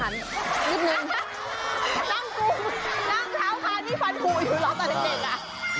นั่งกุมนั่งเท้าคาที่ฟันหูอยู่เหรอตอนเด็กอ่ะ